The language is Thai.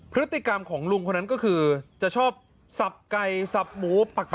พฤติกรรมของลุงคนนั้นก็คือจะชอบสับไก่สับหมูปกติ